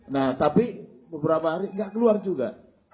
nah tapi beberapa hari nggak keluar juga